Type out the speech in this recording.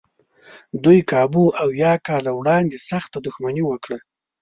دوی کابو اویا کاله وړاندې سخته دښمني وکړه.